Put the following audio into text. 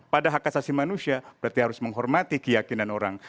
pada hak asasi manusia berarti harus menghormati keyakinan orang